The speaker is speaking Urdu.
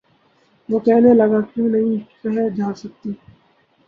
وہ کہنے لگا:کیوں نہیں کہی جا سکتی؟